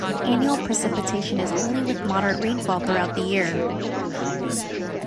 Annual precipitation is only with moderate rainfall throughout the year.